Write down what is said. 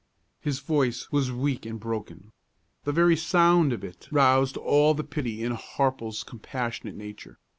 His voice was weak and broken. The very sound of it roused all the pity in Harple's compassionate nature.